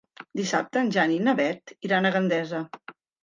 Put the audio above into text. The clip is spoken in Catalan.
Dissabte en Jan i na Beth iran a Gandesa.